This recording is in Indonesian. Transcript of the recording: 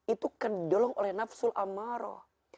itu kendolong oleh nafsul amma'i